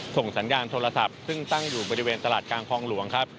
ส่งสัญญาณโทรศัพท์ซึ่งตั้งอยู่บริเวณตลาดกลางคลองหลวงครับ